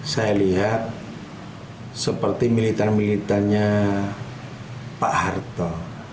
saya lihat seperti militan militannya pak harto